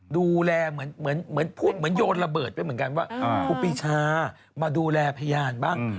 ดูแลเหมือนพูดเหมือนโยนระเบิดไปเหมือนกันว่าครูปีชามาดูแลพยานบ้าง